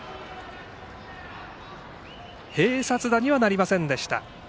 併殺打にはなりませんでした。